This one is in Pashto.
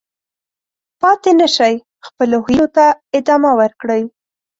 پاتې نه شئ، خپلو هیلو ته ادامه ورکړئ.